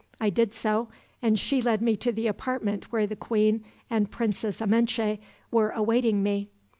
I did so, and she led me to the apartment where the Queen and Princess Amenche were awaiting me.